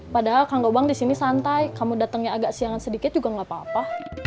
padahal kang gobang disini santai kamu datangnya siangan sedikit juga gak apa apa